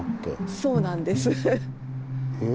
そうなんです。え？